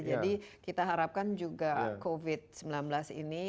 jadi kita harapkan juga covid selesai